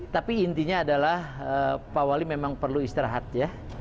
tapi intinya adalah pak wali memang perlu istirahat ya